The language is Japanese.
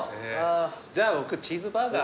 じゃあ僕チーズバーガー。